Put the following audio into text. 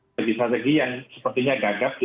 strategi strategi yang sepertinya gagap